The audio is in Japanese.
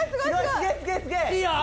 いいよ！